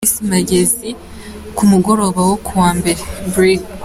Chris Magezi, ku mugoroba wo kuwa Mbere, Brig.